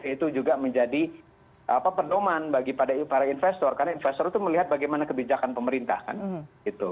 itu juga menjadi pedoman bagi para investor karena investor itu melihat bagaimana kebijakan pemerintah kan gitu